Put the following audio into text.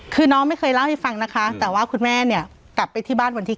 คือน้องไม่เคยเล่าให้ฟังนะคะแต่ว่าคุณแม่เนี่ยกลับไปที่บ้านวันที่๑